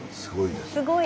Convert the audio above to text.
すごい！